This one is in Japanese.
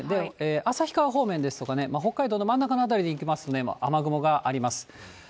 旭川方面ですとかね、北海道の真ん中の辺りに行きますとね、雨雲があります。